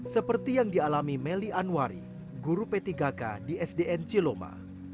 seperti yang dialami meli anwari guru p tiga k di sdn ciloma